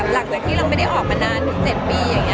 หลักจากที่เราไม่ได้ออกมานาน๗ปี